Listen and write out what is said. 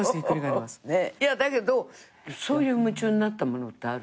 だけどそういう夢中になったものってある？